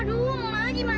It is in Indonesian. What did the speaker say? aduh mak gimana tuh mak